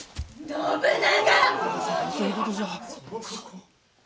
信長！